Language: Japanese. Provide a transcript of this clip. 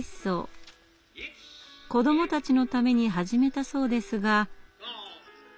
子どもたちのために始めたそうですが。